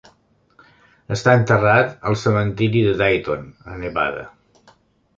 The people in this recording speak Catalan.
Està enterrat al cementiri de Dayton, a Nevada.